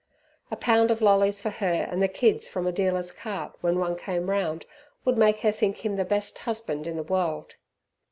A pound of lollies for her and the kids from a dealer's cart when one came round, would make her think him the best husband in the world.